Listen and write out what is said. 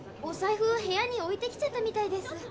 お財布部屋に置いてきちゃったみたいです。